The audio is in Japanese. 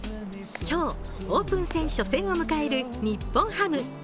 今日オープン戦初戦を迎える日本ハム。